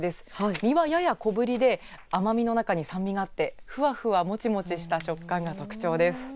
実は、やや小ぶりで甘みの中に酸味があってふわふわ、モチモチした食感が特徴です。